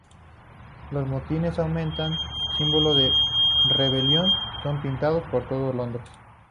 Los motines aumentan, símbolos de rebelión son pintados por todo Londres.